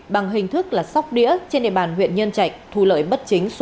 bằng hình thức là sóc đĩa trên địa bàn huyện nhân trạch thu lợi bất chính số tiền lớn